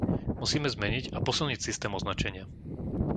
Musíme zmeniť a posilniť systém označenia.